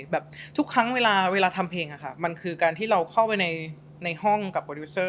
แบบทุกครั้งเวลาทำเพลงมันคือการที่เราเข้าไปในห้องกับโปรดิวเซอร์